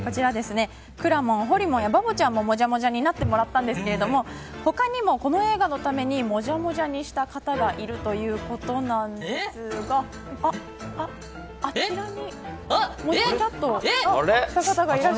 こちらからもほりもんやバボちゃんももじゃもじゃになってもらったんですが他にもこの映画のためにもじゃもじゃにした方がいるということなんですがあれ、あちらに。